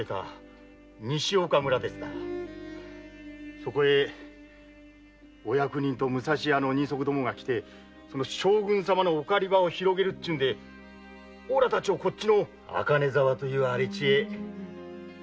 そこへお役人と武蔵屋の人足どもが来て将軍様のお狩場を広げるっちゅうんでおらたちをこっちの赤根沢という荒れ地へ追い出しただ。